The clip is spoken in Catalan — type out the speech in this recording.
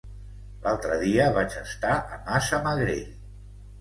L'altre dia vaig estar a Massamagrell.